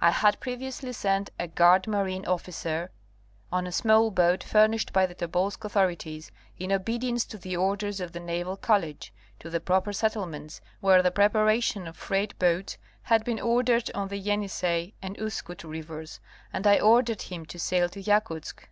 I had previously sent a garde marine officer, on a small boat furnished by the Tobolsk authorities in obedience to the orders of the Naval College, to the proper settlements where the prepara tion of freight boats had been ordered on the Yenise1 and Uskut rivers, and I ordered him to sail to Yakutsk.